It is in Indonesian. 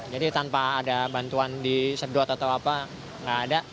jadi tanpa ada bantuan disedot atau apa nggak ada